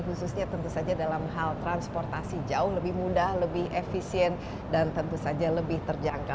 khususnya tentu saja dalam hal transportasi jauh lebih mudah lebih efisien dan tentu saja lebih terjangkau